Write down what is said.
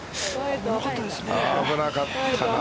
危なかったな。